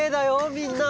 みんな！